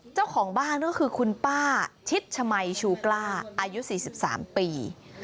เจ้าของบ้านก็คือคุณป้าชิดชมัยชูกล้าอายุ๔๓ปี